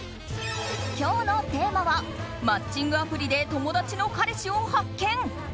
今日のテーマはマッチングアプリで友達の彼氏を発見！